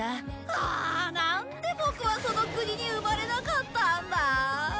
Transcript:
あー、何で僕はその国に生まれなかったんだ。